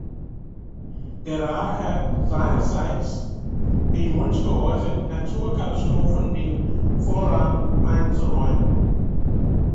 Der Rat hat seinerseits den Wunsch geäußert, Naturkatastrophen den Vorrang einzuräumen.